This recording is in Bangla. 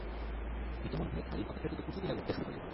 ইতোমধ্যে খালিদ অপেক্ষাকৃত উঁচু টিলায় উঠতে শুরু করে।